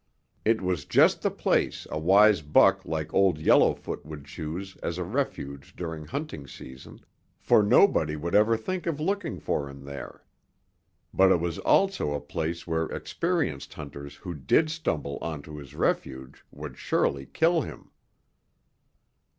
It was just the place a wise buck like Old Yellowfoot would choose as a refuge during hunting season, for nobody would ever think of looking for him there. But it was also a place where experienced hunters who did stumble onto his refuge would surely kill him.